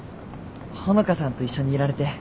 穂香さんと一緒にいられて。